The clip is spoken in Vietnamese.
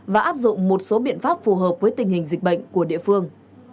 và áp dụng một số biện pháp phù hợp với tình hình dịch bệnh của địa phương